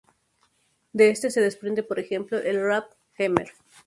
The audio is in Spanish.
De este se desprende por ejemplo el "rap-jemer".